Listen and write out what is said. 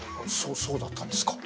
そうだったんですか。